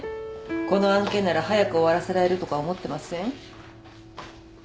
この案件なら早く終わらせられるとか思ってません？